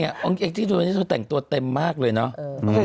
กางเกงที่ตัวนี้เธอแต่งตัวเต็มมากเลยเนาะ